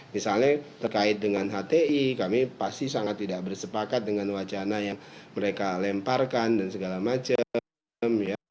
misalnya terkait dengan hti kami pasti sangat tidak bersepakat dengan wacana yang mereka lemparkan dan segala macam